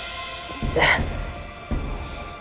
jangan lupa untuk